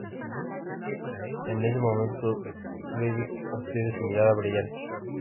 En ese momento Riddick obtiene su mirada brillante.